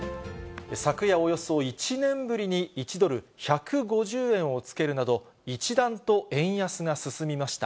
昨夜、およそ１年ぶりに１ドル１５０円をつけるなど、一段と円安が進みました。